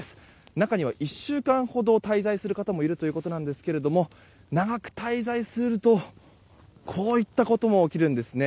中には１週間ほど滞在するという方もいらっしゃるということなんですが長く滞在するとこういったことも起きるんです。